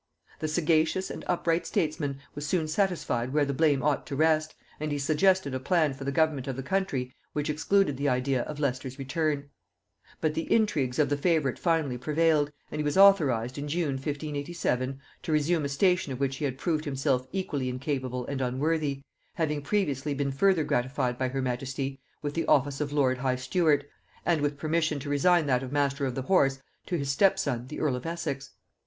The sagacious and upright statesman was soon satisfied where the blame ought to rest, and he suggested a plan for the government of the country which excluded the idea of Leicester's return. But the intrigues of the favorite finally prevailed, and he was authorized in June 1587 to resume a station of which he had proved himself equally incapable and unworthy, having previously been further gratified by her majesty with the office of lord high steward, and with permission to resign that of master of the horse to his stepson the earl of Essex.